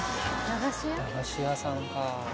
駄菓子屋さんかぁ。